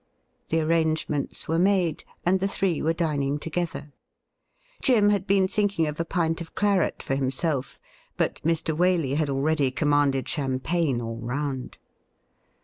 The arrangements were made, and the three were dining together. Jim had been thinking of a pint of claret for himself, but Mr. Waley had already commanded champagne all round.